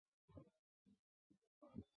如今原址仅存残垣断壁。